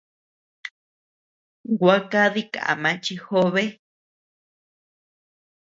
Gua kadi kama chi jobe.